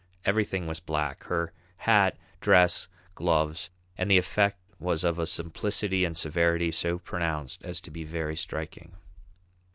Everything was black hat, dress, gloves and the effect was of a simplicity and severity so pronounced as to be very striking.